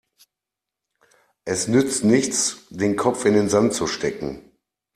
Es nützt nichts, den Kopf in den Sand zu stecken.